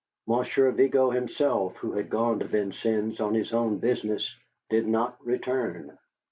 Monsieur Vigo himself, who had gone to Vincennes on his own business, did not return.